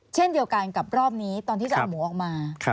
เช่นเดียวกันกับรอบนี้ตอนที่จะเอาหมูออกมา